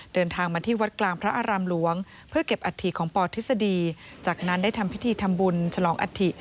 เดินทางมาที่วัดกลางพระอารามหลวงเพื่อเก็บอัฐิของปทฤษฎีจากนั้นได้ทำพิธีทำบุญฉลองอัฐิ